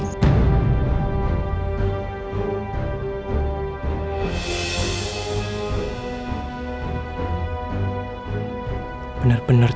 buktinya akan sampai ke tangan polisi